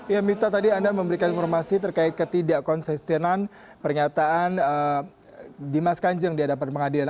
ya mifta tadi anda memberikan informasi terkait ketidak konsistenan pernyataan dimas kanjeng di hadapan pengadilan